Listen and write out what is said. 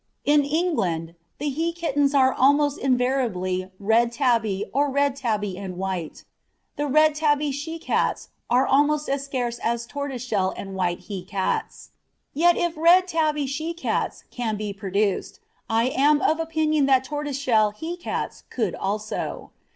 In England the he kittens are almost invariably red tabby or red tabby and white; the red tabby she cats are almost as scarce as tortoiseshell and white he cats. Yet if red tabby she cats can be produced, I am of opinion that tortoiseshell he cats could also.